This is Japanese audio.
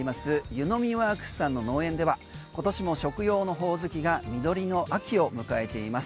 結農実ＷＯＲＫＳさんの農園では今年も食用のホオズキが実りの秋を迎えています。